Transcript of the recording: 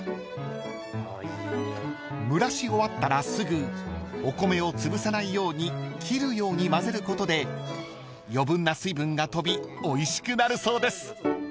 ［蒸らし終わったらすぐお米をつぶさないように切るようにまぜることで余分な水分が飛びおいしくなるそうです］